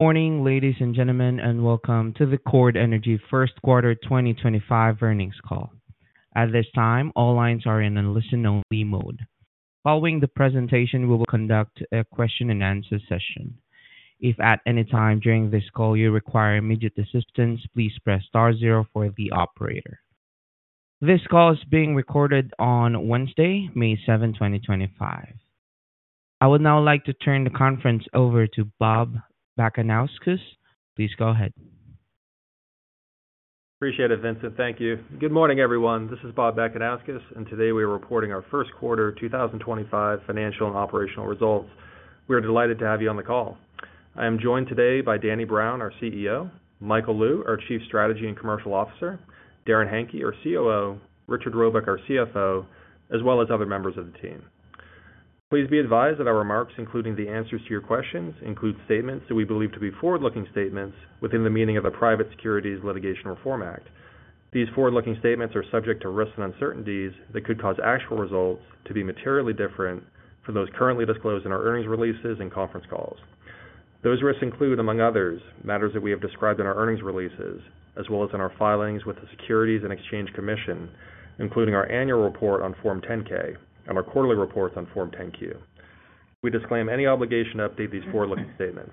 Morning, ladies and gentlemen, and welcome to the Chord Energy first quarter 2025 earnings call. At this time, all lines are in a listen-only mode. Following the presentation, we will conduct a question-and-answer session. If at any time during this call you require immediate assistance, please press star zero for the operator. This call is being recorded on Wednesday, May 7, 2025. I would now like to turn the conference over to Bob Bakanauskas. Please go ahead. Appreciate it, Vincent. Thank you. Good morning, everyone. This is Bob Bakanauskas, and today we are reporting our first quarter 2025 financial and operational results. We are delighted to have you on the call. I am joined today by Danny Brown, our CEO, Michael Lou, our Chief Strategy and Commercial Officer, Darrin Henke, our COO, Richard Robuck, our CFO, as well as other members of the team. Please be advised that our remarks, including the answers to your questions, include statements that we believe to be forward-looking statements within the meaning of the Private Securities Litigation Reform Act. These forward-looking statements are subject to risks and uncertainties that could cause actual results to be materially different from those currently disclosed in our earnings releases and conference calls. Those risks include, among others, matters that we have described in our earnings releases, as well as in our filings with the Securities and Exchange Commission, including our annual report on Form 10-K and our quarterly reports on Form 10-Q. We disclaim any obligation to update these forward-looking statements.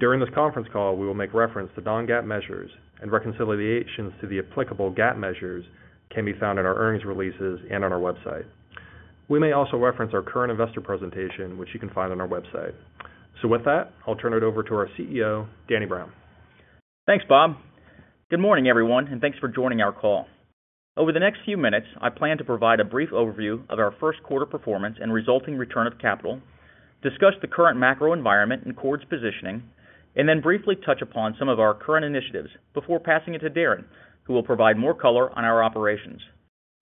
During this conference call, we will make reference to non-GAAP measures and reconciliations to the applicable GAAP measures that can be found in our earnings releases and on our website. We may also reference our current investor presentation, which you can find on our website. With that, I'll turn it over to our CEO, Danny Brown. Thanks, Bob. Good morning, everyone, and thanks for joining our call. Over the next few minutes, I plan to provide a brief overview of our first quarter performance and resulting return of capital, discuss the current macro environment and Chord's positioning, and then briefly touch upon some of our current initiatives before passing it to Darrin, who will provide more color on our operations.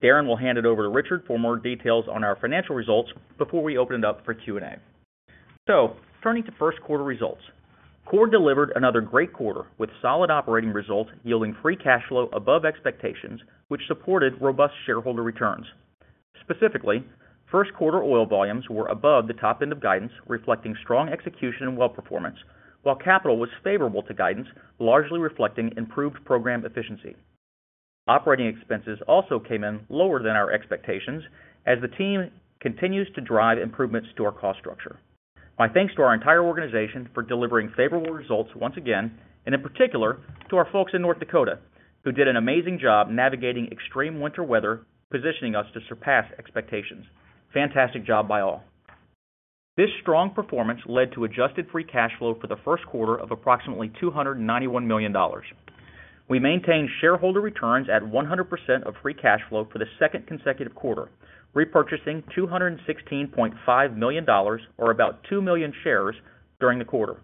Darrin will hand it over to Richard for more details on our financial results before we open it up for Q&A. Turning to first quarter results, Chord delivered another great quarter with solid operating results yielding free cash flow above expectations, which supported robust shareholder returns. Specifically, first quarter oil volumes were above the top end of guidance, reflecting strong execution and well performance, while capital was favorable to guidance, largely reflecting improved program efficiency. Operating expenses also came in lower than our expectations as the team continues to drive improvements to our cost structure. My thanks to our entire organization for delivering favorable results once again, and in particular to our folks in North Dakota who did an amazing job navigating extreme winter weather, positioning us to surpass expectations. Fantastic job by all. This strong performance led to adjusted free cash flow for the first quarter of approximately $291 million. We maintained shareholder returns at 100% of free cash flow for the second consecutive quarter, repurchasing $216.5 million, or about 2 million shares, during the quarter.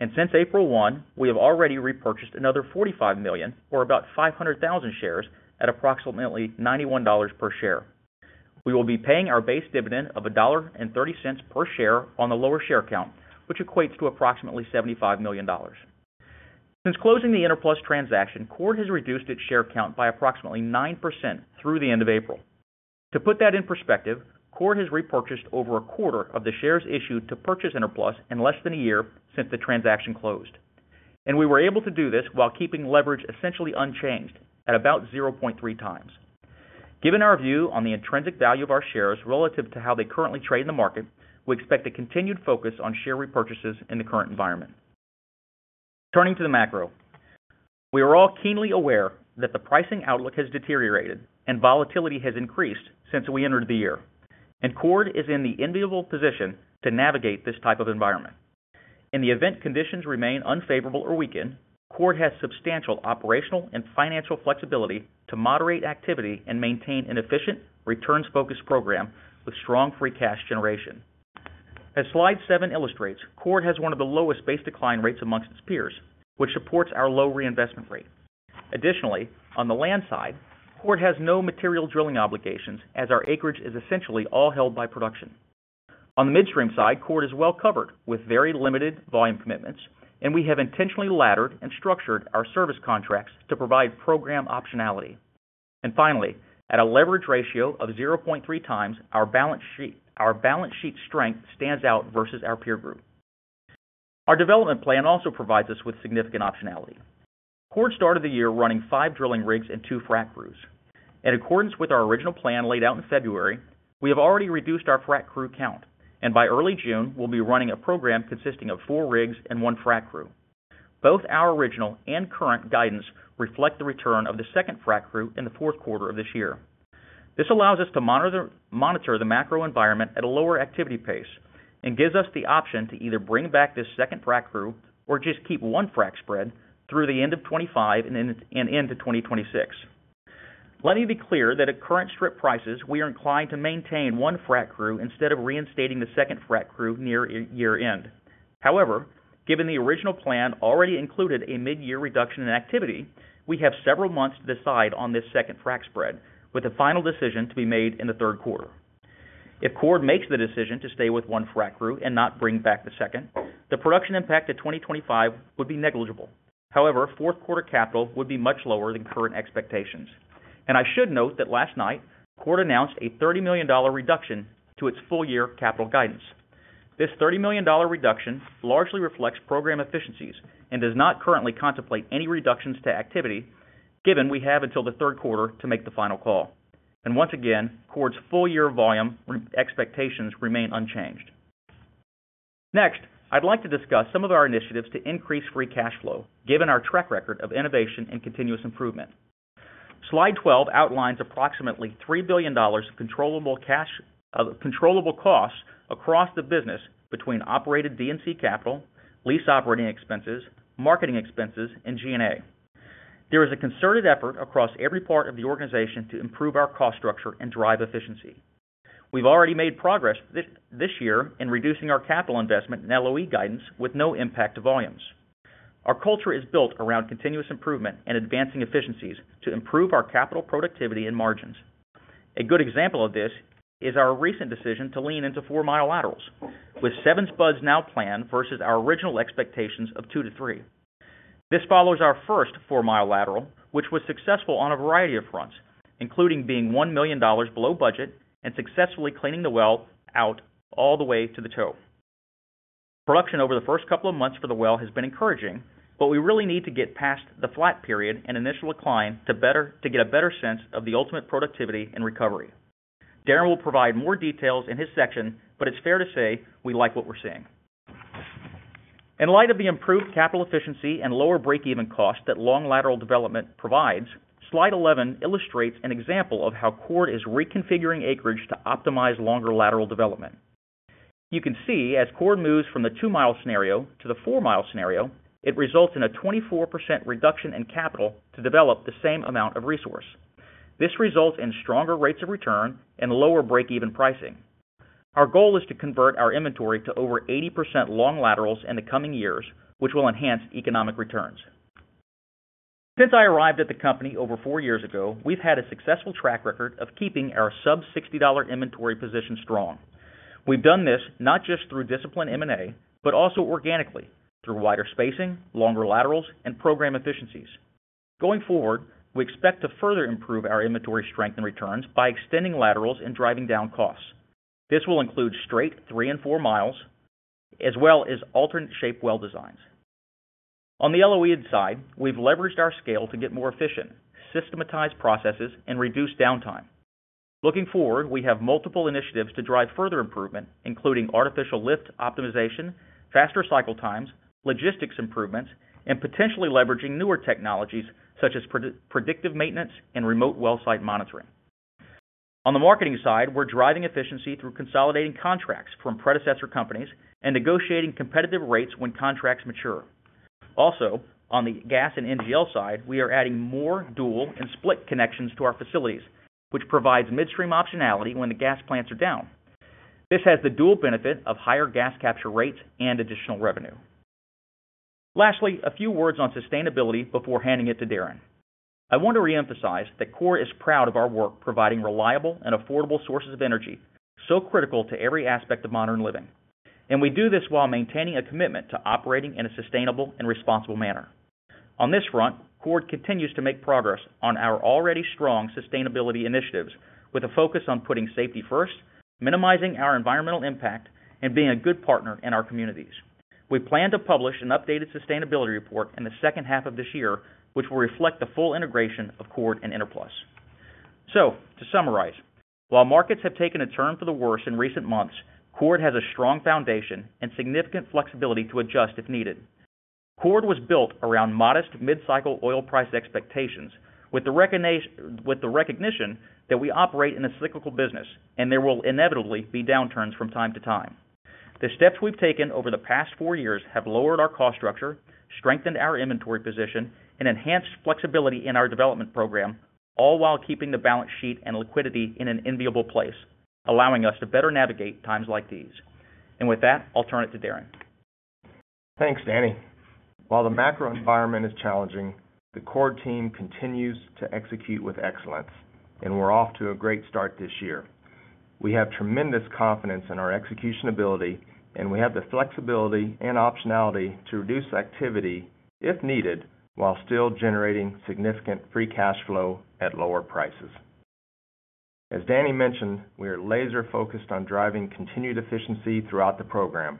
Since April 1, we have already repurchased another $45 million, or about 500,000 shares, at approximately $91 per share. We will be paying our base dividend of $1.30 per share on the lower share count, which equates to approximately $75 million. Since closing the Enerplus transaction, Chord has reduced its share count by approximately 9% through the end of April. To put that in perspective, Chord has repurchased over a quarter of the shares issued to purchase Enerplus in less than a year since the transaction closed. We were able to do this while keeping leverage essentially unchanged at about 0.3 times. Given our view on the intrinsic value of our shares relative to how they currently trade in the market, we expect a continued focus on share repurchases in the current environment. Turning to the macro, we are all keenly aware that the pricing outlook has deteriorated and volatility has increased since we entered the year, and Chord is in the enviable position to navigate this type of environment. In the event conditions remain unfavorable or weaken, Chord has substantial operational and financial flexibility to moderate activity and maintain an efficient, returns-focused program with strong free cash generation. As slide seven illustrates, Chord has one of the lowest base decline rates amongst its peers, which supports our low reinvestment rate. Additionally, on the land side, Chord has no material drilling obligations as our acreage is essentially all held by production. On the midstream side, Chord is well covered with very limited volume commitments, and we have intentionally laddered and structured our service contracts to provide program optionality. Finally, at a leverage ratio of 0.3 times, our balance sheet strength stands out versus our peer group. Our development plan also provides us with significant optionality. Chord started the year running five drilling rigs and two frac crews. In accordance with our original plan laid out in February, we have already reduced our frac crew count, and by early June, we'll be running a program consisting of four rigs and one frac crew. Both our original and current guidance reflect the return of the second frac crew in the fourth quarter of this year. This allows us to monitor the macro environment at a lower activity pace and gives us the option to either bring back this second frac crew or just keep one frac spread through the end of 2025 and into 2026. Let me be clear that at current strip prices, we are inclined to maintain one frac crew instead of reinstating the second frac crew near year-end. However, given the original plan already included a mid-year reduction in activity, we have several months to decide on this second frac spread, with the final decision to be made in the third quarter. If Chord makes the decision to stay with one frac crew and not bring back the second, the production impact of 2025 would be negligible. However, fourth quarter capital would be much lower than current expectations. I should note that last night, Chord announced a $30 million reduction to its full-year capital guidance. This $30 million reduction largely reflects program efficiencies and does not currently contemplate any reductions to activity, given we have until the third quarter to make the final call. Once again, Chord's full-year volume expectations remain unchanged. Next, I'd like to discuss some of our initiatives to increase free cash flow, given our track record of innovation and continuous improvement. Slide 12 outlines approximately $3 billion of controllable costs across the business between operated D&C capital, lease operating expenses, marketing expenses, and G&A. There is a concerted effort across every part of the organization to improve our cost structure and drive efficiency. We've already made progress this year in reducing our capital investment and LOE guidance with no impact to volumes. Our culture is built around continuous improvement and advancing efficiencies to improve our capital productivity and margins. A good example of this is our recent decision to lean into four-mile laterals, with seven spuds now planned versus our original expectations of two to three. This follows our first four-mile lateral, which was successful on a variety of fronts, including being $1 million below budget and successfully cleaning the well out all the way to the toe. Production over the first couple of months for the well has been encouraging, but we really need to get past the flat period and initial decline to get a better sense of the ultimate productivity and recovery. Darrin will provide more details in his section, but it's fair to say we like what we're seeing. In light of the improved capital efficiency and lower break-even cost that long lateral development provides, slide 11 illustrates an example of how Chord is reconfiguring acreage to optimize longer lateral development. You can see as Chord moves from the two-mile scenario to the four-mile scenario, it results in a 24% reduction in capital to develop the same amount of resource. This results in stronger rates of return and lower break-even pricing. Our goal is to convert our inventory to over 80% long laterals in the coming years, which will enhance economic returns. Since I arrived at the company over four years ago, we've had a successful track record of keeping our sub-$60 inventory position strong. We've done this not just through disciplined M&A, but also organically through wider spacing, longer laterals, and program efficiencies. Going forward, we expect to further improve our inventory strength and returns by extending laterals and driving down costs. This will include straight three and four miles, as well as alternate-shaped well designs. On the LOE side, we've leveraged our scale to get more efficient, systematize processes, and reduce downtime. Looking forward, we have multiple initiatives to drive further improvement, including artificial lift optimization, faster cycle times, logistics improvements, and potentially leveraging newer technologies such as predictive maintenance and remote well site monitoring. On the marketing side, we're driving efficiency through consolidating contracts from predecessor companies and negotiating competitive rates when contracts mature. Also, on the gas and NGL side, we are adding more dual and split connections to our facilities, which provides midstream optionality when the gas plants are down. This has the dual benefit of higher gas capture rates and additional revenue. Lastly, a few words on sustainability before handing it to Darrin. I want to reemphasize that Chord is proud of our work providing reliable and affordable sources of energy so critical to every aspect of modern living. We do this while maintaining a commitment to operating in a sustainable and responsible manner. On this front, Chord continues to make progress on our already strong sustainability initiatives with a focus on putting safety first, minimizing our environmental impact, and being a good partner in our communities. We plan to publish an updated sustainability report in the second half of this year, which will reflect the full integration of Chord and Enerplus. To summarize, while markets have taken a turn for the worse in recent months, Chord has a strong foundation and significant flexibility to adjust if needed. Chord was built around modest mid-cycle oil price expectations with the recognition that we operate in a cyclical business and there will inevitably be downturns from time to time. The steps we have taken over the past four years have lowered our cost structure, strengthened our inventory position, and enhanced flexibility in our development program, all while keeping the balance sheet and liquidity in an enviable place, allowing us to better navigate times like these. With that, I'll turn it to Darrin. Thanks, Danny. While the macro environment is challenging, the Chord team continues to execute with excellence, and we're off to a great start this year. We have tremendous confidence in our execution ability, and we have the flexibility and optionality to reduce activity if needed while still generating significant free cash flow at lower prices. As Danny mentioned, we are laser-focused on driving continued efficiency throughout the program.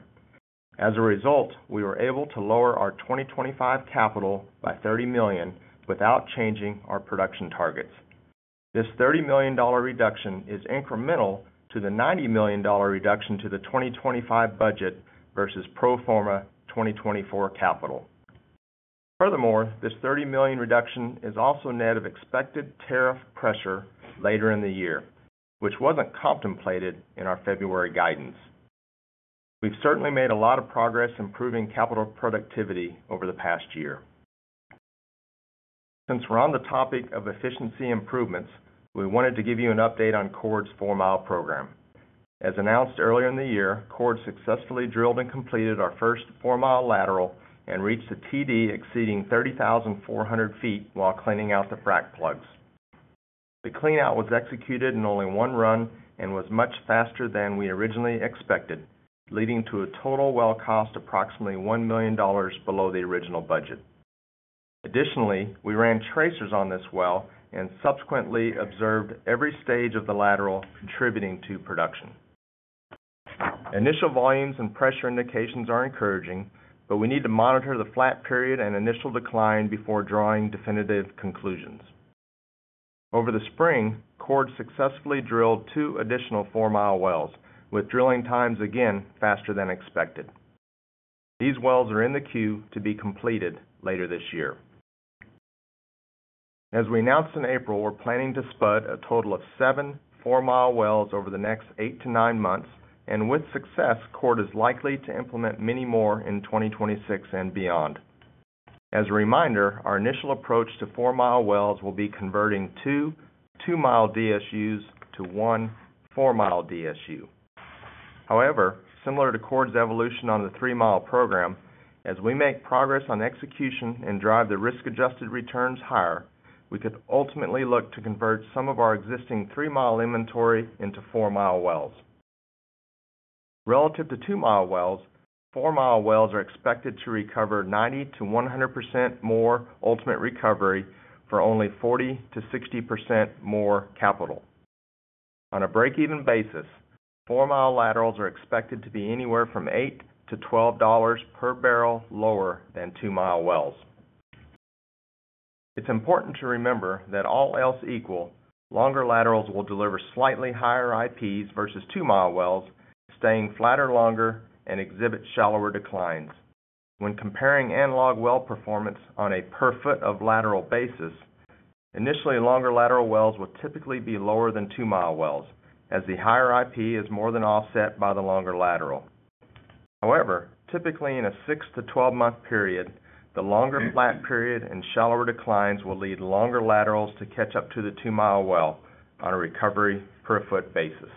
As a result, we were able to lower our 2025 capital by $30 million without changing our production targets. This $30 million reduction is incremental to the $90 million reduction to the 2025 budget versus pro forma 2024 capital. Furthermore, this $30 million reduction is also net of expected tariff pressure later in the year, which was not contemplated in our February guidance. We've certainly made a lot of progress improving capital productivity over the past year. Since we're on the topic of efficiency improvements, we wanted to give you an update on Chord's four-mile program. As announced earlier in the year, Chord successfully drilled and completed our first four-mile lateral and reached a TD exceeding 30,400 ft while cleaning out the frac plugs. The cleanout was executed in only one run and was much faster than we originally expected, leading to a total well cost approximately $1 million below the original budget. Additionally, we ran tracers on this well and subsequently observed every stage of the lateral contributing to production. Initial volumes and pressure indications are encouraging, but we need to monitor the flat period and initial decline before drawing definitive conclusions. Over the spring, Chord successfully drilled two additional four-mile wells, with drilling times again faster than expected. These wells are in the queue to be completed later this year. As we announced in April, we're planning to spud a total of seven four-mile wells over the next eight to nine months, and with success, Chord is likely to implement many more in 2026 and beyond. As a reminder, our initial approach to four-mile wells will be converting two two-mile DSUs to one four-mile DSU. However, similar to Chord's evolution on the three-mile program, as we make progress on execution and drive the risk-adjusted returns higher, we could ultimately look to convert some of our existing three-mile inventory into four-mile wells. Relative to two-mile wells, four-mile wells are expected to recover 90%-100% more ultimate recovery for only 40%-60% more capital. On a break-even basis, four-mile laterals are expected to be anywhere from $8 to $12 per barrel lower than two-mile wells. It's important to remember that all else equal, longer laterals will deliver slightly higher IPs versus two-mile wells, staying flatter longer and exhibit shallower declines. When comparing analog well performance on a per-foot of lateral basis, initially longer lateral wells will typically be lower than two-mile wells, as the higher IP is more than offset by the longer lateral. However, typically in a six to 12-month period, the longer flat period and shallower declines will lead longer laterals to catch up to the two-mile well on a recovery per-foot basis.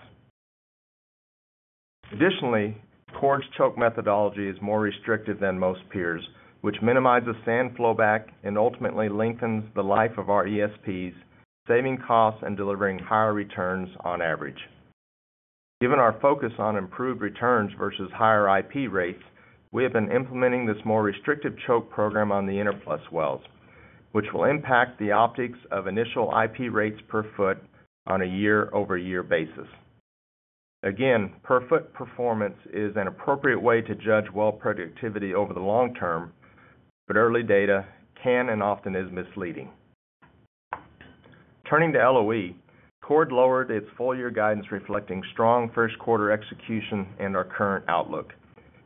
Additionally, Chord's choke methodology is more restrictive than most peers, which minimizes sand flow back and ultimately lengthens the life of our ESPs, saving costs and delivering higher returns on average. Given our focus on improved returns versus higher IP rates, we have been implementing this more restrictive choke program on the Enerplus wells, which will impact the optics of initial IP rates per foot on a year-over-year basis. Again, per-foot performance is an appropriate way to judge well productivity over the long term, but early data can and often is misleading. Turning to LOE, Chord lowered its full-year guidance reflecting strong first-quarter execution and our current outlook.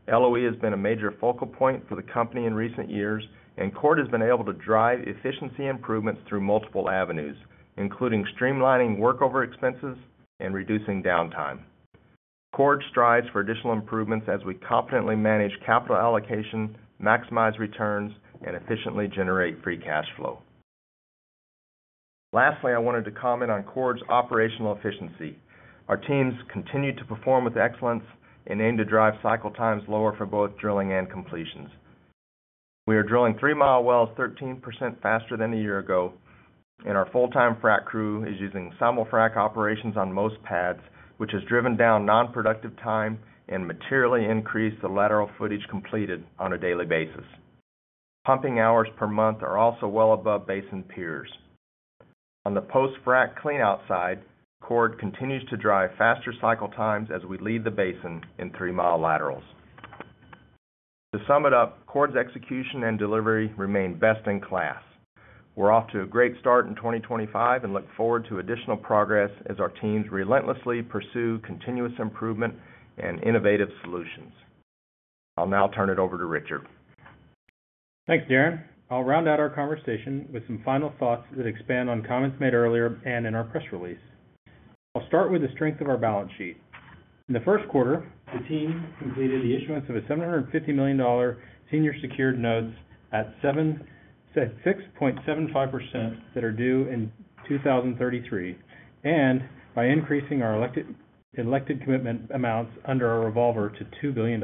LOE has been a major focal point for the company in recent years, and Chord has been able to drive efficiency improvements through multiple avenues, including streamlining workover expenses and reducing downtime. Chord strives for additional improvements as we competently manage capital allocation, maximize returns, and efficiently generate free cash flow. Lastly, I wanted to comment on Chord's operational efficiency. Our teams continue to perform with excellence and aim to drive cycle times lower for both drilling and completions. We are drilling three-mile wells 13% faster than a year ago, and our full-time frac crew is using ensemble frac operations on most pads, which has driven down non-productive time and materially increased the lateral footage completed on a daily basis. Pumping hours per month are also well above base and peers. On the post-frac cleanout side, Chord continues to drive faster cycle times as we lead the basin in three-mile laterals. To sum it up, Chord's execution and delivery remain best in class. We're off to a great start in 2025 and look forward to additional progress as our teams relentlessly pursue continuous improvement and innovative solutions. I'll now turn it over to Richard. Thanks, Darrin. I'll round out our conversation with some final thoughts that expand on comments made earlier and in our press release. I'll start with the strength of our balance sheet. In the first quarter, the team completed the issuance of a $750 million senior secured notes at 6.75% that are due in 2033. By increasing our elected commitment amounts under our revolver to $2 billion,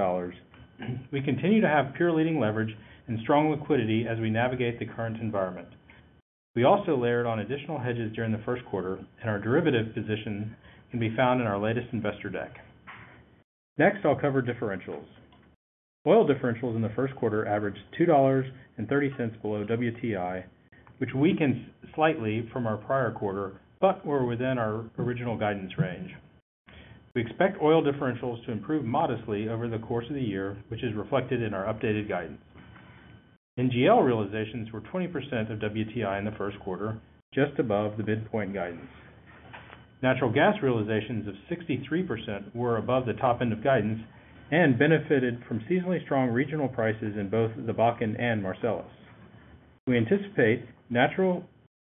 we continue to have peer-leading leverage and strong liquidity as we navigate the current environment. We also layered on additional hedges during the first quarter, and our derivative position can be found in our latest investor deck. Next, I'll cover differentials. Oil differentials in the first quarter averaged $2.30 below WTI, which weakens slightly from our prior quarter, but we're within our original guidance range. We expect oil differentials to improve modestly over the course of the year, which is reflected in our updated guidance. NGL realizations were 20% of WTI in the first quarter, just above the midpoint guidance. Natural gas realizations of 63% were above the top end of guidance and benefited from seasonally strong regional prices in both the Bakken and Marcellus. We anticipate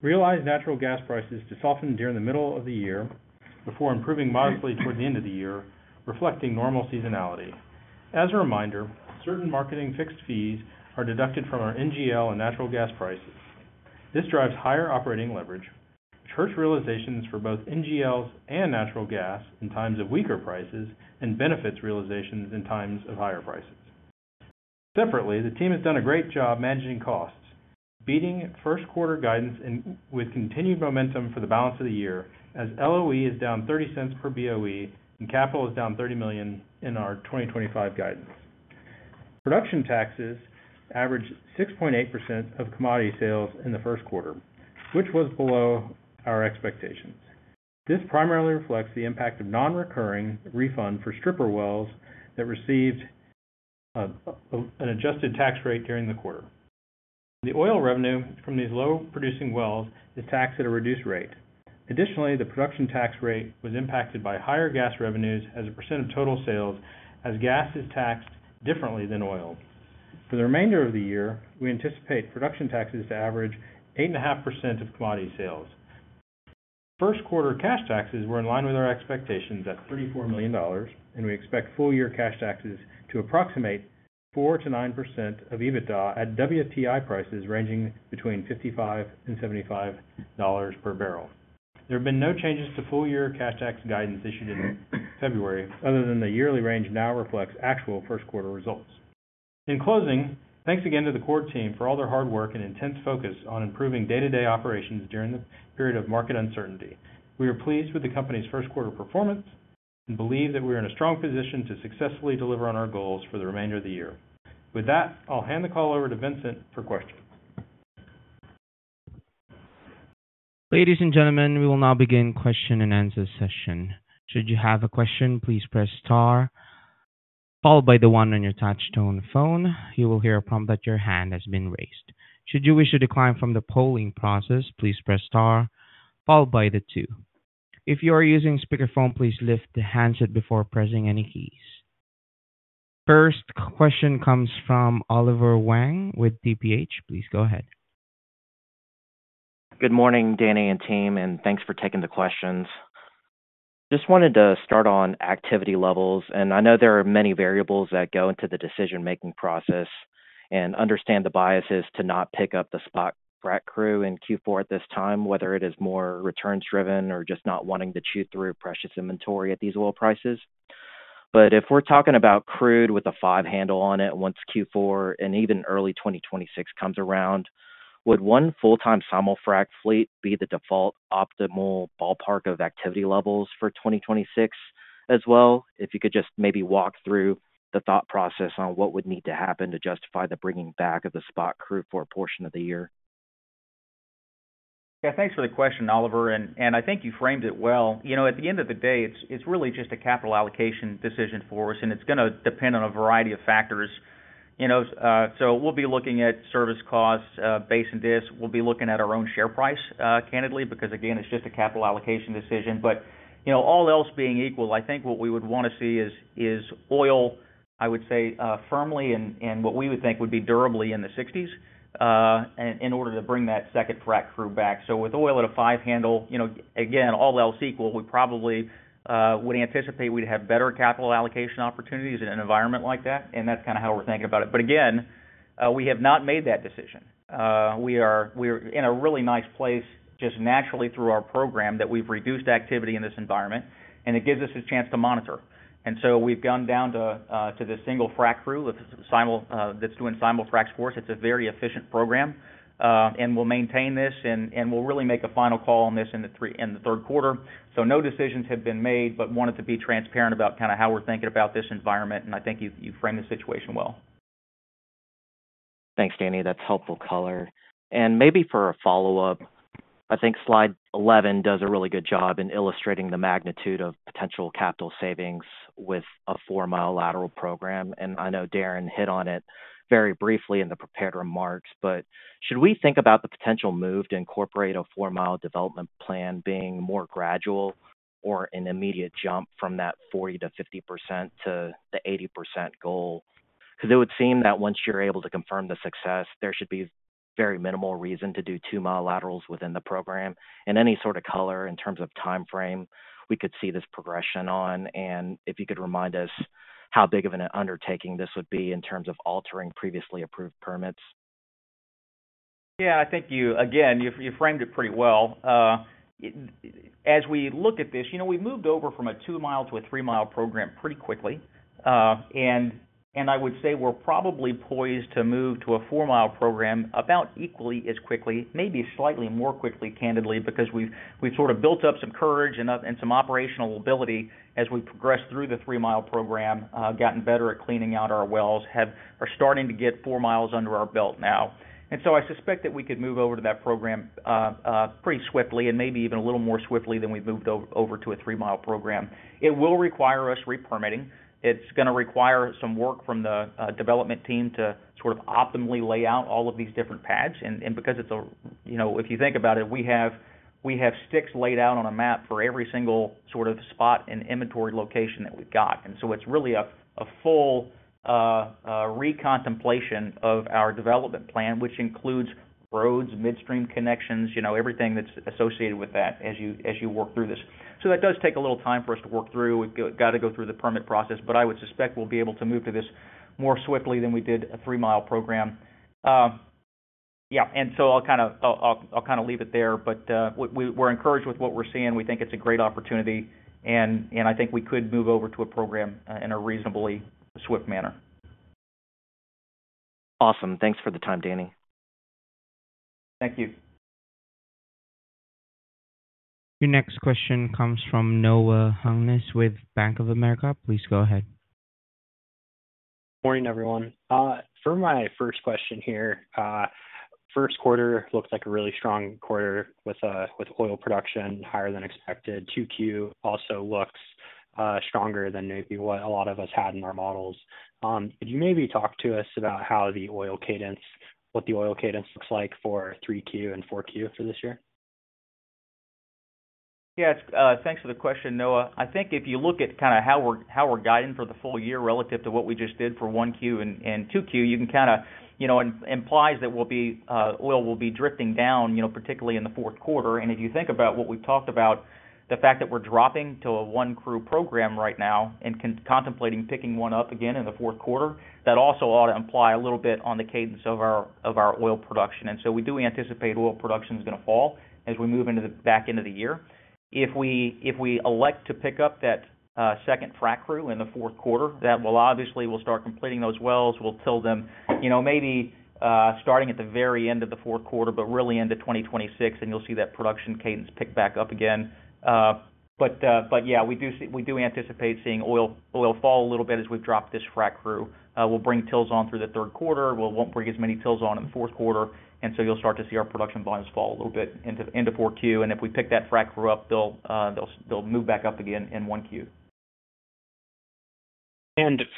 realized natural gas prices to soften during the middle of the year before improving modestly toward the end of the year, reflecting normal seasonality. As a reminder, certain marketing fixed fees are deducted from our NGL and natural gas prices. This drives higher operating leverage, which hurts realizations for both NGLs and natural gas in times of weaker prices and benefits realizations in times of higher prices. Separately, the team has done a great job managing costs, beating first-quarter guidance with continued momentum for the balance of the year as LOE is down $0.30 per BOE and capital is down $30 million in our 2025 guidance. Production taxes averaged 6.8% of commodity sales in the first quarter, which was below our expectations. This primarily reflects the impact of a non-recurring refund for stripper wells that received an adjusted tax rate during the quarter. The oil revenue from these low-producing wells is taxed at a reduced rate. Additionally, the production tax rate was impacted by higher gas revenues as a percent of total sales as gas is taxed differently than oil. For the remainder of the year, we anticipate production taxes to average 8.5% of commodity sales. First-quarter cash taxes were in line with our expectations at $34 million, and we expect full-year cash taxes to approximate 4%-9% of EBITDA at WTI prices ranging between $55 and $75 per barrel. There have been no changes to full-year cash tax guidance issued in February other than the yearly range now reflects actual first-quarter results. In closing, thanks again to the Chord team for all their hard work and intense focus on improving day-to-day operations during the period of market uncertainty. We are pleased with the company's first-quarter performance and believe that we are in a strong position to successfully deliver on our goals for the remainder of the year. With that, I'll hand the call over to Vincent for questions. Ladies and gentlemen, we will now begin the question and answer session. Should you have a question, please press star followed by one on your touch-tone phone. You will hear a prompt that your hand has been raised. Should you wish to decline from the polling process, please press star followed by two. If you are using a speakerphone, please lift the handset before pressing any keys. The first question comes from Oliver Huang with TPH. Please go ahead. Good morning, Danny and team, and thanks for taking the questions. Just wanted to start on activity levels, and I know there are many variables that go into the decision-making process and understand the biases to not pick up the spot frac crew in Q4 at this time, whether it is more returns-driven or just not wanting to chew through precious inventory at these oil prices. If we're talking about crude with a five handle on it once Q4 and even early 2026 comes around, would one full-time ensemble frac fleet be the default optimal ballpark of activity levels for 2026 as well? If you could just maybe walk through the thought process on what would need to happen to justify the bringing back of the spot crew for a portion of the year. Yeah, thanks for the question, Oliver, and I think you framed it well. At the end of the day, it's really just a capital allocation decision for us, and it's going to depend on a variety of factors. We'll be looking at service costs, base and disc. We'll be looking at our own share price, candidly, because, again, it's just a capital allocation decision. All else being equal, I think what we would want to see is oil, I would say, firmly and what we would think would be durably in the $60s in order to bring that second frac crew back. With oil at a five handle, again, all else equal, we probably would anticipate we'd have better capital allocation opportunities in an environment like that, and that's kind of how we're thinking about it. Again, we have not made that decision. We are in a really nice place just naturally through our program that we've reduced activity in this environment, and it gives us a chance to monitor. We have gone down to the single frac crew that's doing simul frac scores. It is a very efficient program, and we will maintain this, and we will really make a final call on this in the third quarter. No decisions have been made, but wanted to be transparent about kind of how we're thinking about this environment, and I think you framed the situation well. Thanks, Danny. That's helpful color. Maybe for a follow-up, I think slide 11 does a really good job in illustrating the magnitude of potential capital savings with a four-mile lateral program. I know Darrin hit on it very briefly in the prepared remarks, but should we think about the potential move to incorporate a four-mile development plan being more gradual or an immediate jump from that 40%-50% to the 80% goal? It would seem that once you're able to confirm the success, there should be very minimal reason to do two-mile laterals within the program. Any sort of color in terms of timeframe we could see this progression on? If you could remind us how big of an undertaking this would be in terms of altering previously approved permits. Yeah, I think you, again, you framed it pretty well. As we look at this, we moved over from a two-mile to a three-mile program pretty quickly. I would say we're probably poised to move to a four-mile program about equally as quickly, maybe slightly more quickly, candidly, because we've sort of built up some courage and some operational ability as we progressed through the three-mile program, gotten better at cleaning out our wells, are starting to get four miles under our belt now. I suspect that we could move over to that program pretty swiftly and maybe even a little more swiftly than we've moved over to a three-mile program. It will require us repermitting. It's going to require some work from the development team to sort of optimally lay out all of these different pads. Because it's a, if you think about it, we have sticks laid out on a map for every single sort of spot and inventory location that we've got. It is really a full recontemplation of our development plan, which includes roads, midstream connections, everything that's associated with that as you work through this. That does take a little time for us to work through. We've got to go through the permit process, but I would suspect we'll be able to move to this more swiftly than we did a three-mile program. Yeah, I'll kind of leave it there, but we're encouraged with what we're seeing. We think it's a great opportunity, and I think we could move over to a program in a reasonably swift manner. Awesome. Thanks for the time, Danny. Thank you. Your next question comes from Noah Hungness with Bank of America. Please go ahead. Morning, everyone. For my first question here, first quarter looks like a really strong quarter with oil production higher than expected. 2Q also looks stronger than maybe what a lot of us had in our models. Could you maybe talk to us about how the oil cadence, what the oil cadence looks like for 3Q and 4Q for this year? Yeah, thanks for the question, Noah. I think if you look at kind of how we're guiding for the full year relative to what we just did for 1Q and 2Q, you can kind of imply that oil will be drifting down, particularly in the fourth quarter. If you think about what we've talked about, the fact that we're dropping to a one-crew program right now and contemplating picking one up again in the fourth quarter, that also ought to imply a little bit on the cadence of our oil production. We do anticipate oil production is going to fall as we move into the back end of the year. If we elect to pick up that second frac crew in the fourth quarter, that will obviously start completing those wells. We'll till them maybe starting at the very end of the fourth quarter, but really into 2026, and you'll see that production cadence pick back up again. Yeah, we do anticipate seeing oil fall a little bit as we've dropped this frac crew. We'll bring tills on through the third quarter. We won't bring as many tills on in the fourth quarter, and you'll start to see our production volumes fall a little bit into 4Q. If we pick that frac crew up, they'll move back up again in 1Q.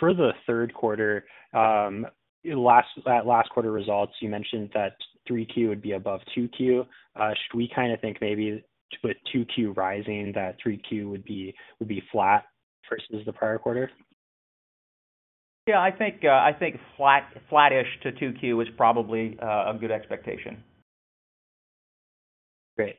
For the third quarter, last quarter results, you mentioned that 3Q would be above 2Q. Should we kind of think maybe with 2Q rising, that 3Q would be flat versus the prior quarter? Yeah, I think flat-ish to 2Q is probably a good expectation. Great.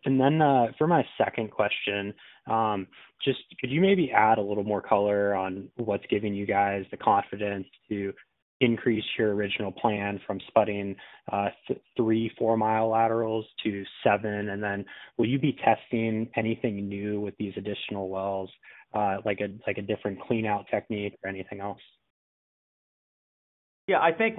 For my second question, could you maybe add a little more color on what's giving you guys the confidence to increase your original plan from sputting three, four-mile laterals to seven? Will you be testing anything new with these additional wells, like a different clean-out technique or anything else? Yeah, I think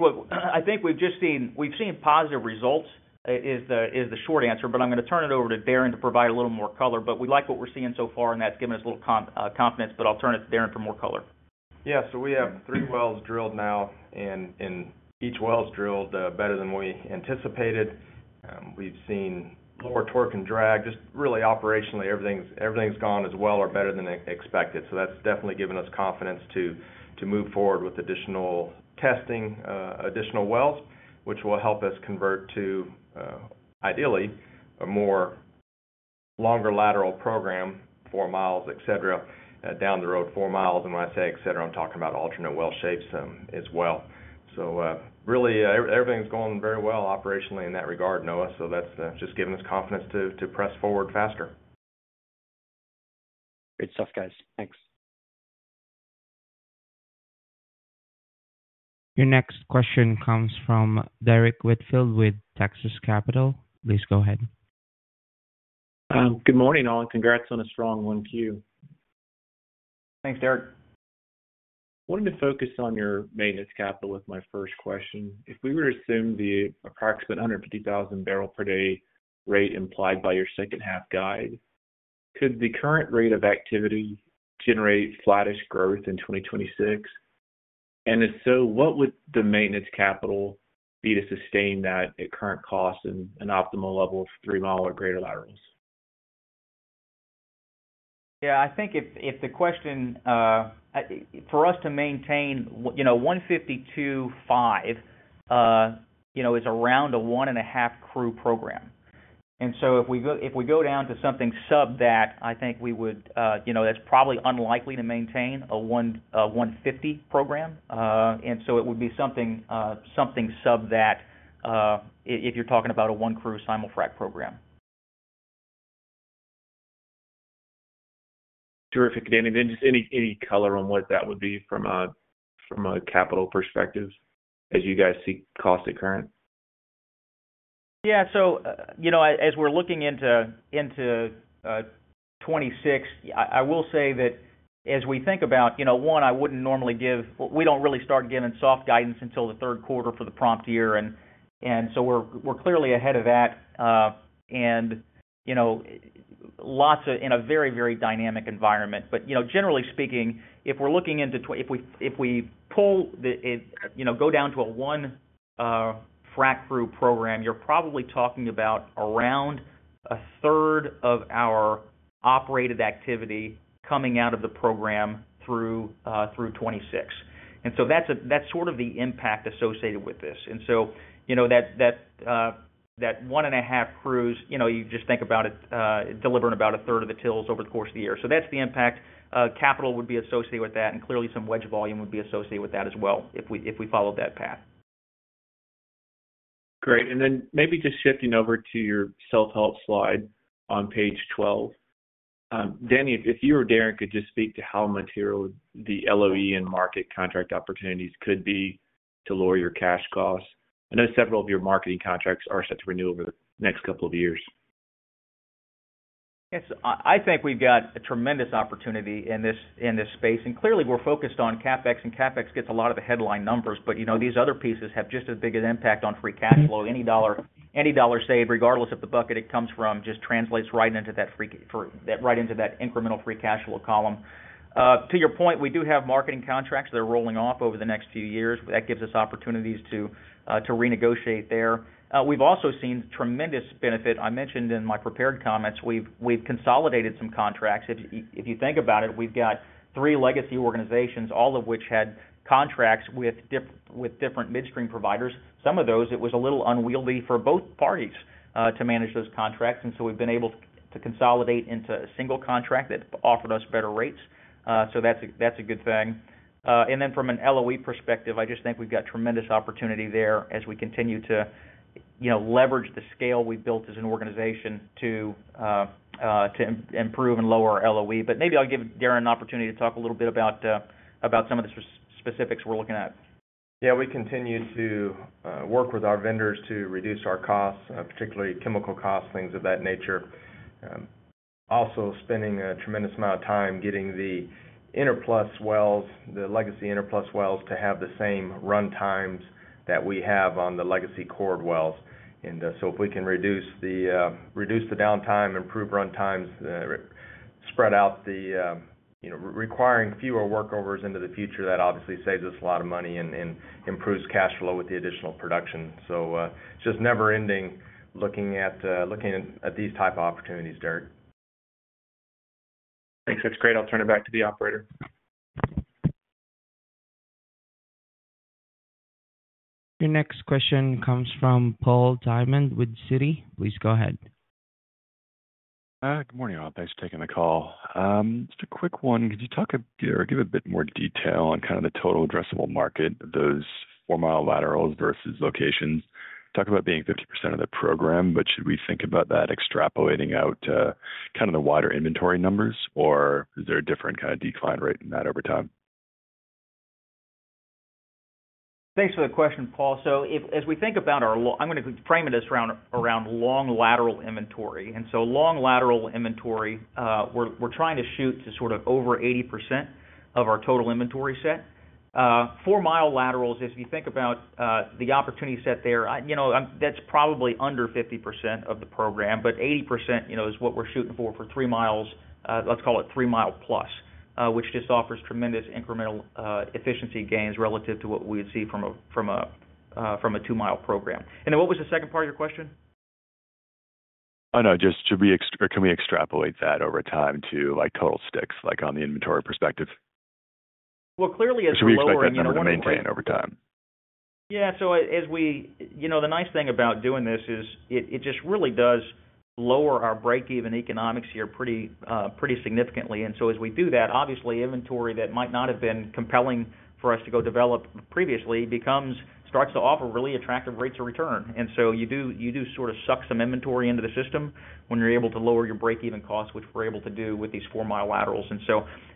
we've seen positive results is the short answer, but I'm going to turn it over to Darrin to provide a little more color. We like what we're seeing so far, and that's given us a little confidence, but I'll turn it to Darrin for more color. Yeah, so we have three wells drilled now, and each well's drilled better than we anticipated. We've seen more torque and drag. Just really operationally, everything's gone as well or better than expected. That's definitely given us confidence to move forward with additional testing, additional wells, which will help us convert to, ideally, a longer lateral program, four miles, et cetera, down the road, four miles. When I say et cetera, I'm talking about alternate well shapes as well. Really, everything's going very well operationally in that regard, Noah. That's just giving us confidence to press forward faster. Great stuff, guys. Thanks. Your next question comes from Derrick Whitfield with Texas Capital. Please go ahead. Good morning, all. Congrats on a strong 1Q. Thanks, Derrick. Wanted to focus on your maintenance capital with my first question. If we were to assume the approximate 150,000 barrel per day rate implied by your second-half guide, could the current rate of activity generate flattish growth in 2026? If so, what would the maintenance capital be to sustain that at current costs and an optimal level of three-mile or greater laterals? Yeah, I think if the question for us to maintain 152.5 is around a one-and-a-half crew program. If we go down to something sub that, I think we would, that's probably unlikely to maintain a 150 program. It would be something sub that if you're talking about a one-crew simul frac program. Terrific, Danny. Just any color on what that would be from a capital perspective as you guys see cost at current? Yeah, as we're looking into 2026, I will say that as we think about, one, I wouldn't normally give, we don't really start giving soft guidance until the third quarter for the prompt year. We're clearly ahead of that and in a very, very dynamic environment. Generally speaking, if we're looking into, if we pull the go down to a one-frac crew program, you're probably talking about around a third of our operated activity coming out of the program through 2026. That's sort of the impact associated with this. That one-and-a-half crews, you just think about it delivering about a third of the tills over the course of the year. That's the impact capital would be associated with that, and clearly some wedge volume would be associated with that as well if we followed that path. Great. Maybe just shifting over to your self-help slide on page 12. Danny, if you or Darrin could just speak to how material the LOE and market contract opportunities could be to lower your cash costs. I know several of your marketing contracts are set to renew over the next couple of years. I think we've got a tremendous opportunity in this space. Clearly, we're focused on CapEx, and CapEx gets a lot of the headline numbers, but these other pieces have just as big an impact on free cash flow. Any dollar saved, regardless of the bucket it comes from, just translates right into that incremental free cash flow column. To your point, we do have marketing contracts that are rolling off over the next few years. That gives us opportunities to renegotiate there. We've also seen tremendous benefit. I mentioned in my prepared comments, we've consolidated some contracts. If you think about it, we've got three legacy organizations, all of which had contracts with different midstream providers. Some of those, it was a little unwieldy for both parties to manage those contracts. We've been able to consolidate into a single contract that offered us better rates. That's a good thing. From an LOE perspective, I just think we've got tremendous opportunity there as we continue to leverage the scale we've built as an organization to improve and lower our LOE. Maybe I'll give Darrin an opportunity to talk a little bit about some of the specifics we're looking at. Yeah, we continue to work with our vendors to reduce our costs, particularly chemical costs, things of that nature. Also spending a tremendous amount of time getting the Enerplus wells, the legacy Enerplus wells, to have the same runtimes that we have on the legacy Chord wells. If we can reduce the downtime, improve runtimes, spread out the requiring fewer workovers into the future, that obviously saves us a lot of money and improves cash flow with the additional production. It is just never-ending looking at these type of opportunities, Derrick. Thanks. That's great. I'll turn it back to the operator. Your next question comes from Paul Diamond with Citi. Please go ahead. Good morning, all. Thanks for taking the call. Just a quick one. Could you talk or give a bit more detail on kind of the total addressable market of those four-mile laterals versus locations? Talk about being 50% of the program, but should we think about that extrapolating out to kind of the wider inventory numbers, or is there a different kind of decline rate in that over time? Thanks for the question, Paul. As we think about our, I'm going to frame it around long lateral inventory. Long lateral inventory, we're trying to shoot to sort of over 80% of our total inventory set. Four-mile laterals, if you think about the opportunity set there, that's probably under 50% of the program, but 80% is what we're shooting for for three miles. Let's call it three-mile plus, which just offers tremendous incremental efficiency gains relative to what we would see from a two-mile program. What was the second part of your question? Oh, no. Just can we extrapolate that over time to total sticks on the inventory perspective? Clearly, as we look at. Should we expect that to maintain over time? Yeah. The nice thing about doing this is it just really does lower our break-even economics here pretty significantly. As we do that, obviously, inventory that might not have been compelling for us to go develop previously starts to offer really attractive rates of return. You do sort of suck some inventory into the system when you're able to lower your break-even costs, which we're able to do with these four-mile laterals.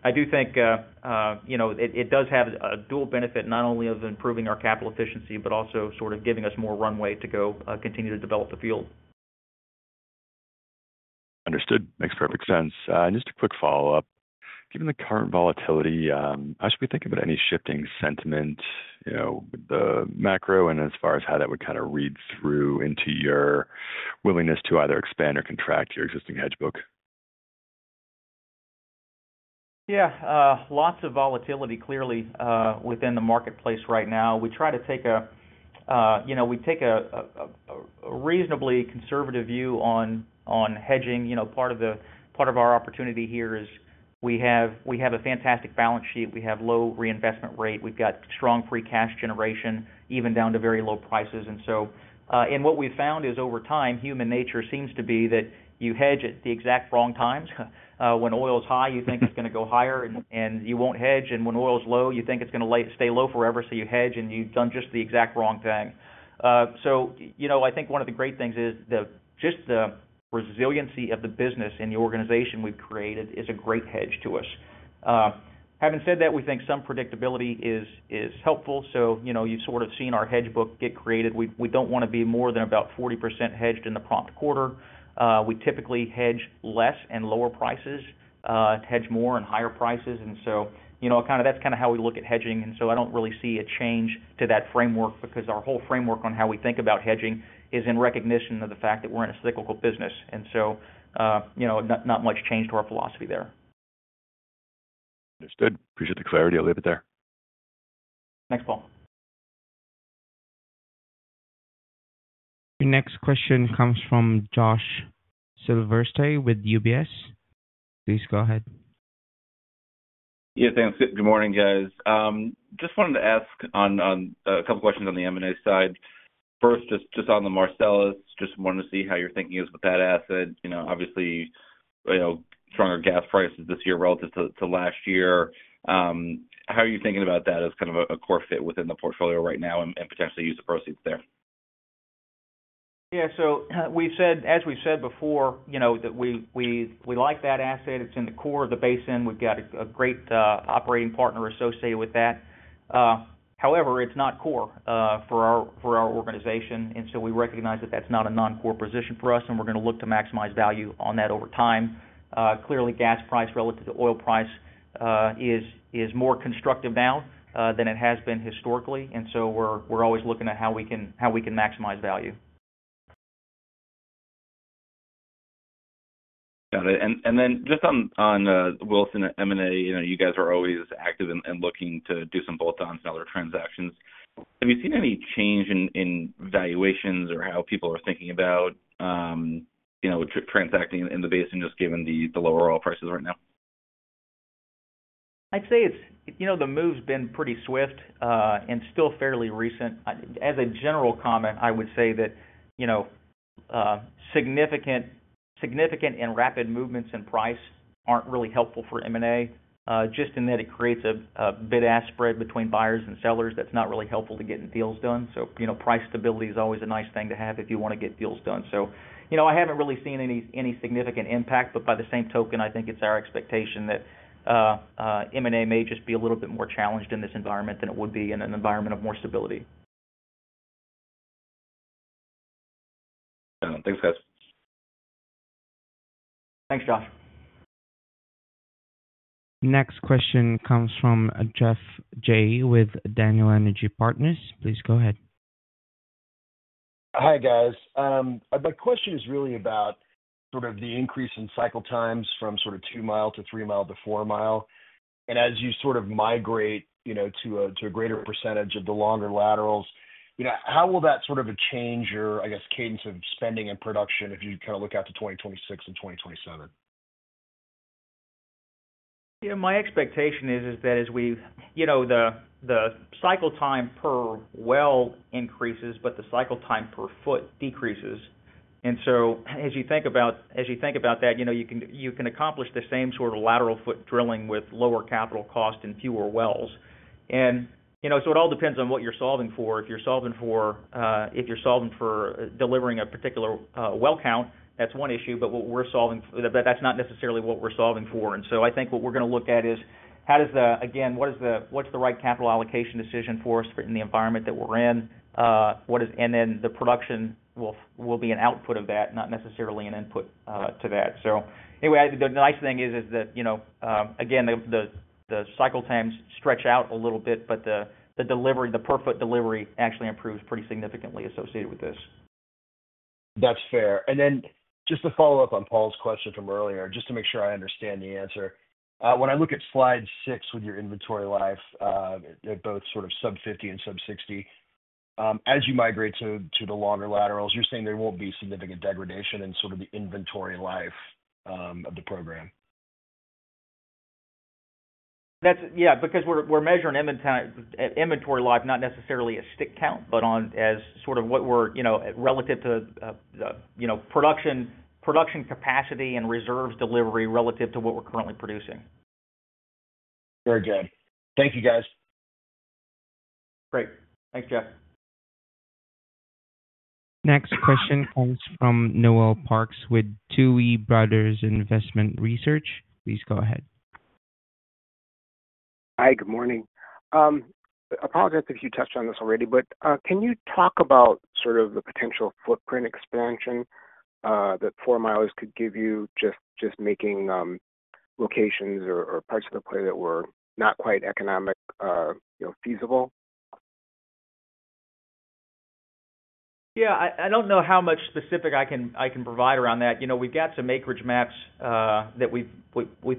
I do think it does have a dual benefit, not only of improving our capital efficiency, but also sort of giving us more runway to continue to develop the field. Understood. Makes perfect sense. Just a quick follow-up. Given the current volatility, how should we think about any shifting sentiment with the macro and as far as how that would kind of read through into your willingness to either expand or contract your existing hedge book? Yeah. Lots of volatility clearly within the marketplace right now. We try to take a, we take a reasonably conservative view on hedging. Part of our opportunity here is we have a fantastic balance sheet. We have low reinvestment rate. We've got strong free cash generation even down to very low prices. What we've found is over time, human nature seems to be that you hedge at the exact wrong times. When oil's high, you think it's going to go higher, and you won't hedge. When oil's low, you think it's going to stay low forever, so you hedge, and you've done just the exact wrong thing. I think one of the great things is just the resiliency of the business and the organization we've created is a great hedge to us. Having said that, we think some predictability is helpful. You have sort of seen our hedge book get created. We do not want to be more than about 40% hedged in the prompt quarter. We typically hedge less at lower prices, hedge more at higher prices. That is kind of how we look at hedging. I do not really see a change to that framework because our whole framework on how we think about hedging is in recognition of the fact that we are in a cyclical business. Not much change to our philosophy there. Understood. Appreciate the clarity. I'll leave it there. Thanks, Paul. Your next question comes from Josh Silverstein with UBS. Please go ahead. Yeah, thanks. Good morning, guys. Just wanted to ask a couple of questions on the M&A side. First, just on the Marcellus, just wanted to see how your thinking is with that asset. Obviously, stronger gas prices this year relative to last year. How are you thinking about that as kind of a core fit within the portfolio right now and potentially use the proceeds there? Yeah. As we said before, we like that asset. It is in the core of the basin. We have a great operating partner associated with that. However, it is not core for our organization. We recognize that is a non-core position for us, and we are going to look to maximize value on that over time. Clearly, gas price relative to oil price is more constructive now than it has been historically. We are always looking at how we can maximize value. Got it. Just on Williston M&A, you guys are always active and looking to do some bolt-ons and other transactions. Have you seen any change in valuations or how people are thinking about transacting in the basin just given the lower oil prices right now? I'd say the move's been pretty swift and still fairly recent. As a general comment, I would say that significant and rapid movements in price aren't really helpful for M&A, just in that it creates a bid-ask spread between buyers and sellers that's not really helpful to getting deals done. Price stability is always a nice thing to have if you want to get deals done. I haven't really seen any significant impact, but by the same token, I think it's our expectation that M&A may just be a little bit more challenged in this environment than it would be in an environment of more stability. Got it. Thanks, guys. Thanks, Josh. Next question comes from Geoff Jay with Daniel Energy Partners. Please go ahead. Hi, guys. My question is really about sort of the increase in cycle times from sort of two-mile to three-mile to four-mile. And as you sort of migrate to a greater percentage of the longer laterals, how will that sort of change your, I guess, cadence of spending and production if you kind of look out to 2026 and 2027? Yeah. My expectation is that as the cycle time per well increases, but the cycle time per foot decreases. As you think about that, you can accomplish the same sort of lateral foot drilling with lower capital cost and fewer wells. It all depends on what you're solving for. If you're solving for delivering a particular well count, that's one issue. That's not necessarily what we're solving for. I think what we're going to look at is how does the, again, what's the right capital allocation decision for us in the environment that we're in? The production will be an output of that, not necessarily an input to that. Anyway, the nice thing is that, again, the cycle times stretch out a little bit, but the delivery, the per foot delivery actually improves pretty significantly associated with this. That's fair. Just to follow up on Paul's question from earlier, just to make sure I understand the answer. When I look at slide six with your inventory life, both sort of sub-$50 and sub-$60, as you migrate to the longer laterals, you're saying there won't be significant degradation in sort of the inventory life of the program? Yeah. Because we're measuring inventory life, not necessarily a stick count, but as sort of what we're relative to production capacity and reserves delivery relative to what we're currently producing. Very good. Thank you, guys. Great. Thanks, Geoff. Next question comes from Noel Parks with Tuohy Brothers Investment Research. Please go ahead. Hi, good morning. Apologize if you touched on this already, but can you talk about sort of the potential footprint expansion that four miles could give you just making locations or parts of the play that were not quite economically feasible? Yeah. I don't know how much specific I can provide around that. We've got some acreage maps that we've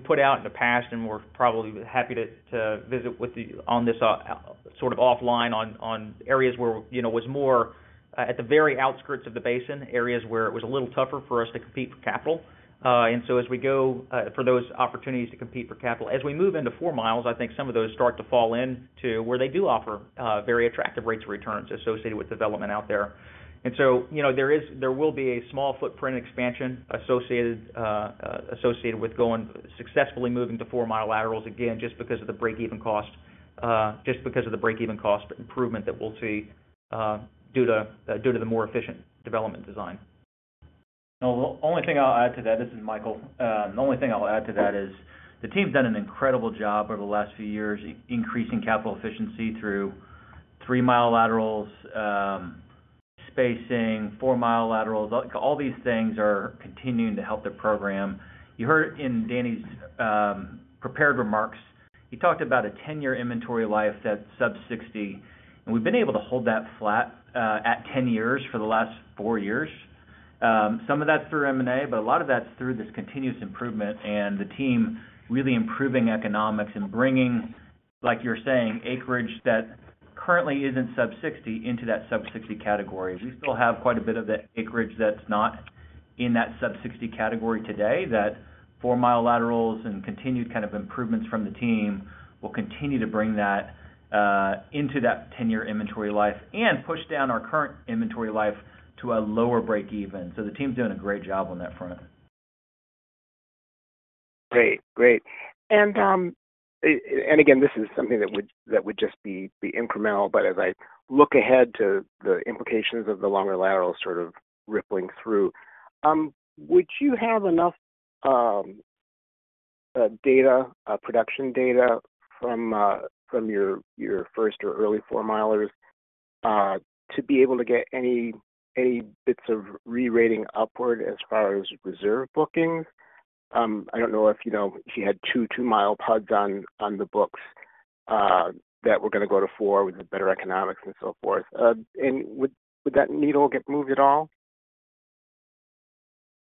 put out in the past, and we're probably happy to visit with you on this sort of offline on areas where it was more at the very outskirts of the basin, areas where it was a little tougher for us to compete for capital. As we go for those opportunities to compete for capital, as we move into four miles, I think some of those start to fall into where they do offer very attractive rates of returns associated with development out there. There will be a small footprint expansion associated with going successfully moving to four-mile laterals, again, just because of the break-even cost, just because of the break-even cost improvement that we'll see due to the more efficient development design. The only thing I'll add to that, this is Michael, the only thing I'll add to that is the team's done an incredible job over the last few years increasing capital efficiency through three-mile laterals, spacing, four-mile laterals. All these things are continuing to help the program. You heard in Danny's prepared remarks, he talked about a 10-year inventory life that sub-$60. And we've been able to hold that flat at 10 years for the last four years. Some of that's through M&A, but a lot of that's through this continuous improvement and the team really improving economics and bringing, like you're saying, acreage that currently isn't sub-$60 into that sub-$60 category. We still have quite a bit of the acreage that's not in that sub-$60 category today that four-mile laterals and continued kind of improvements from the team will continue to bring that into that 10-year inventory life and push down our current inventory life to a lower break-even. The team's doing a great job on that front. Great. Great. This is something that would just be incremental, but as I look ahead to the implications of the longer laterals sort of rippling through, would you have enough data, production data from your first or early four milers to be able to get any bits of re-rating upward as far as reserve bookings? I do not know if you had two two-mile pods on the books that were going to go to four with better economics and so forth. Would that needle get moved at all?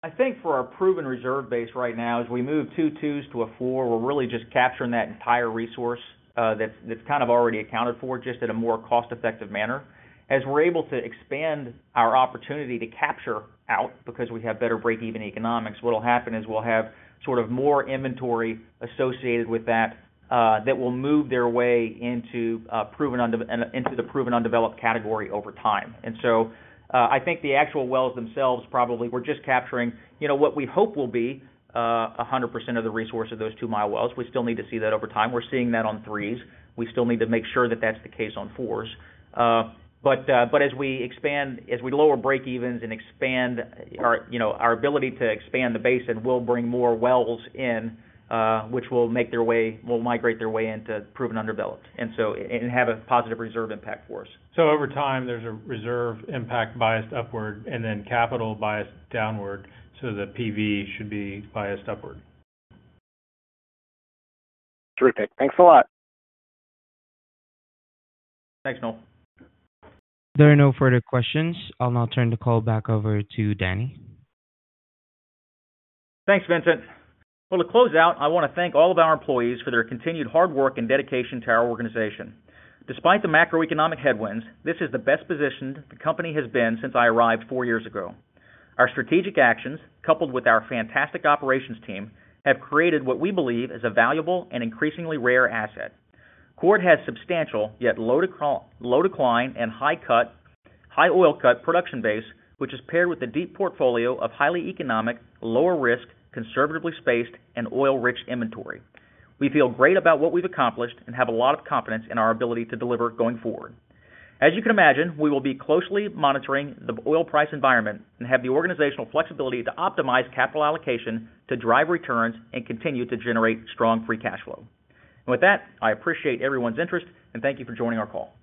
I think for our proven reserve base right now, as we move two twos to a four, we're really just capturing that entire resource that's kind of already accounted for just in a more cost-effective manner. As we're able to expand our opportunity to capture out because we have better break-even economics, what'll happen is we'll have sort of more inventory associated with that that will move their way into the proven undeveloped category over time. I think the actual wells themselves probably we're just capturing what we hope will be 100% of the resource of those two-mile wells. We still need to see that over time. We're seeing that on threes. We still need to make sure that that's the case on fours. As we expand, as we lower break-evens and expand our ability to expand the basin, we'll bring more wells in, which will make their way, will migrate their way into proven undeveloped and have a positive reserve impact for us. Over time, there's a reserve impact biased upward and then capital biased downward. The PV should be biased upward. Terrific. Thanks a lot. Thanks, Noel. There are no further questions. I'll now turn the call back over to Danny. Thanks, Vincent. To close out, I want to thank all of our employees for their continued hard work and dedication to our organization. Despite the macroeconomic headwinds, this is the best position the company has been in since I arrived four years ago. Our strategic actions, coupled with our fantastic operations team, have created what we believe is a valuable and increasingly rare asset. Chord has substantial, yet low decline and high oil cut production base, which is paired with a deep portfolio of highly economic, lower risk, conservatively spaced, and oil-rich inventory. We feel great about what we've accomplished and have a lot of confidence in our ability to deliver going forward. As you can imagine, we will be closely monitoring the oil price environment and have the organizational flexibility to optimize capital allocation to drive returns and continue to generate strong free cash flow. I appreciate everyone's interest, and thank you for joining our call.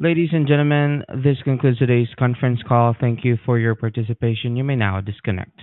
Ladies and gentlemen, this concludes today's conference call. Thank you for your participation. You may now disconnect.